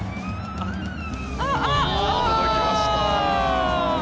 届きました！